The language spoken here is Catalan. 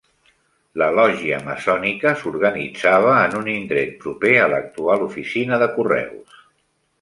La lògia maçònica s'organitzava en un indret proper a l'actual oficina de correus.